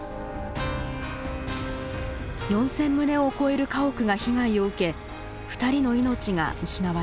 ４，０００棟を超える家屋が被害を受け２人の命が失われました。